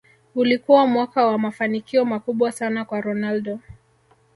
ulikuwa mwaka wa mafanikio makubwa sana kwa ronaldo